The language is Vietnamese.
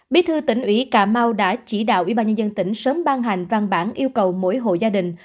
bí thư tỉnh ủy cà mau đã chỉ đạo ubnd tỉnh sớm ban hành văn bản yêu cầu mỗi hộ gia đình